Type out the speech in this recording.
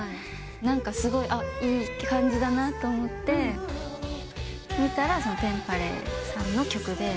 何かすごいいい感じだなと思って見たらＴｅｍｐａｌａｙさんの曲で。